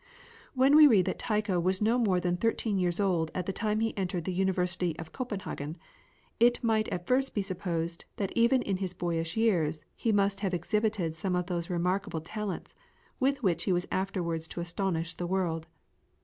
When we read that Tycho was no more than thirteen years old at the time he entered the University of Copenhagen, it might be at first supposed that even in his boyish years he must have exhibited some of those remarkable talents with which he was afterwards to astonish the world.